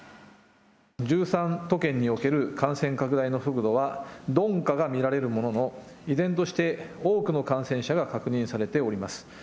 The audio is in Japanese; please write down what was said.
都県における感染拡大の速度は鈍化が見られるものの、依然として多くの感染者が確認されております。